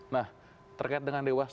nah terkait dengan dewas